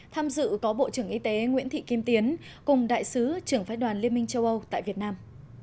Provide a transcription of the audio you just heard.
tham dự có bộ trưởng y tế nguyễn thị kim tiến cùng đại sứ trưởng phái đoàn liên minh châu âu tại việt nam